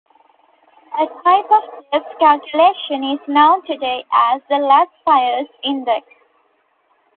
A type of this calculation is known today as the Laspeyres Index.